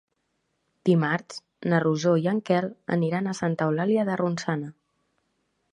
Dimarts na Rosó i en Quel aniran a Santa Eulàlia de Ronçana.